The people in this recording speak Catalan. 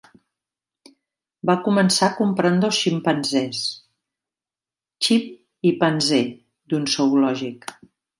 Va començar comprant dos ximpanzés, Chim i Panzee, d'un zoològic.